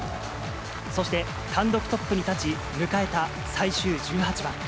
そして単独トップに立ち、迎えた最終１８番。